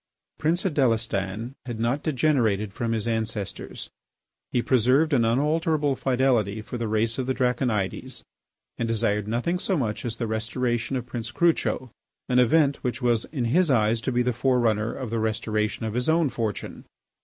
Prince Adélestan had not degenerated from his ancestors. He preserved an unalterable fidelity for the race of the Draconides and desired nothing so much as the restoration of Prince Crucho, an event which was in his eyes to be the fore runner of the restoration of his own fortune.